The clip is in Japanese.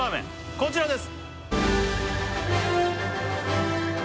こちらです！